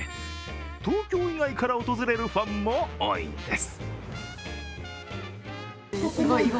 東京以外から訪れるファンも多いんです。